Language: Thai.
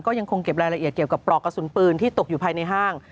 ก็ยังคงเก็บรายละเอียดเกี่ยวกับปลอกกระสุนปืนที่ตกอยู่ภายในห้าง